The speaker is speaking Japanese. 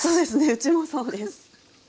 うちもそうです。